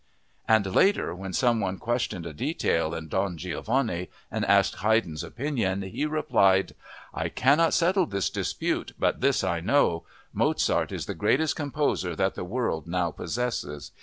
And later, when someone questioned a detail in Don Giovanni and asked Haydn's opinion, he replied: "I cannot settle this dispute, but this I know: Mozart is the greatest composer that the world now possesses....